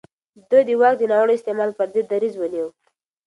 ده د واک د ناوړه استعمال پر ضد دريځ ونيو.